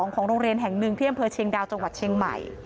ของโรงเรียนแห่งหนึ่งที่อำเภอเชียงดาวจังหวัดเชียงใหม่